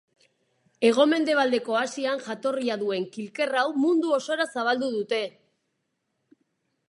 Hego-mendebaldeko Asian jatorria duen kilker hau mundu osora zabaldu dute.